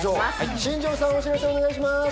新條さん、お知らせをお願いします。